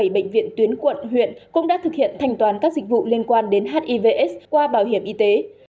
bảy mươi bệnh viện tuyến quận huyện cũng đã thực hiện thành toàn các dịch vụ liên quan đến hiv s qua bảo hiểm y tế